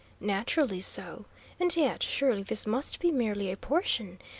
"Naturally so, and yet surely this must be merely a portion?